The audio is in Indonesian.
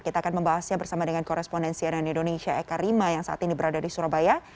kita akan membahasnya bersama dengan korespondensi ann indonesia eka rima yang saat ini berada di surabaya